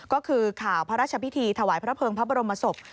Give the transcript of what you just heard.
ก็คือข่าวพระราชพิธีถวายพระเภิงพระบรมศพ